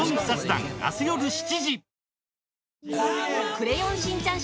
「クレヨンしんちゃん」